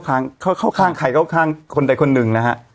เข้าข้างใครเข้าข้างคนใดคนหนึ่งนะฮะ